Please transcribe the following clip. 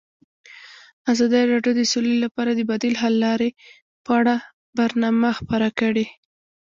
ازادي راډیو د سوله لپاره د بدیل حل لارې په اړه برنامه خپاره کړې.